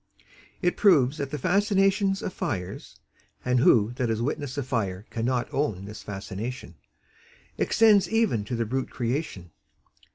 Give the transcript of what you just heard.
It proves that the fascinations of fires (and who that has witnessed a fire cannot own this fascination?) extends even to the brute creation.